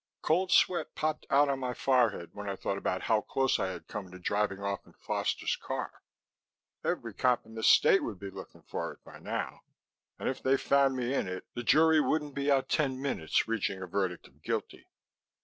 Cold sweat popped out on my forehead when I thought about how close I had come to driving off in Foster's car; every cop in the state would be looking for it by now and if they found me in it, the jury wouldn't be out ten minutes reaching a verdict of guilty.